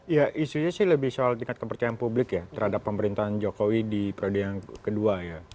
ya isunya sih lebih soal tingkat kepercayaan publik ya terhadap pemerintahan jokowi di periode yang kedua ya